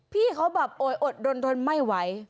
พี่เขาแบบโอยอดดนทนไม่ไหว